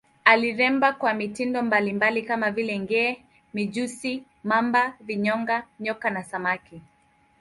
Aliremba kwa mitindo mbalimbali kama vile nge, mijusi, mamba, vinyonga, nyoka na samaki.